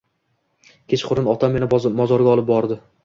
Kechqurun otam meni mozorga olib bordi.